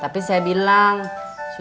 basik untuk bangunemang plastic